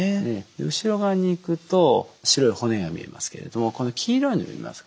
後ろ側にいくと白い骨が見えますけれどもこの黄色いの見えますか？